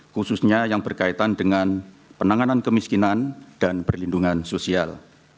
khususnya yang berkaitan dengan penanganan kemiskinan dan perlindungan sosial